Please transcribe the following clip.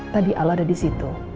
tadi allah ada disitu